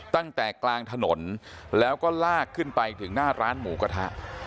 กลางถนนแล้วก็ลากขึ้นไปถึงหน้าร้านหมูกระทะ